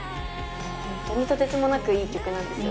ホントにとてつもなくいい曲なんですよ